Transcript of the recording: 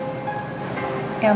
ya mungkin aja kan ya